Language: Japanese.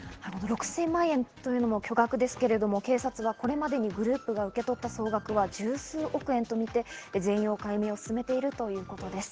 ６０００万円というのも巨額ですけれども、警察はこれまでにグループが受け取った総額は１０数億円とみて全容解明を進めているということです。